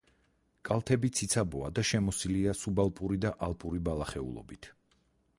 კალთები ციცაბოა და შემოსილია სუბალპური და ალპური ბალახეულობით.